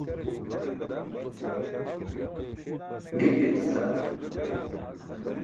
ge giyaćican